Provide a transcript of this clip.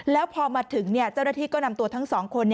แล้วพอมาถึงเจ้าหน้าที่ก็นำตัวทั้ง๒คน